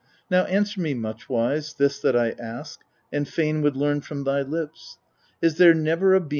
9. Now answer me, Much wise, this that I ask and fain would learn from thy lips : what is that gate called